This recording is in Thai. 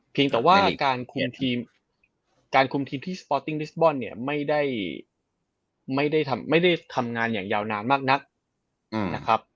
เพียงแต่ว่าการคุมทีมที่สปอร์ตติ้งลิสต์บอลเนี่ยไม่ได้ทำงานอย่างยาวนานมากนักนะครับ